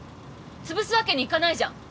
潰すわけにいかないじゃん。